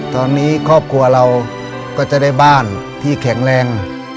ตอนนี้ครอบครัวเราก็จะได้บ้านที่แข็งแรง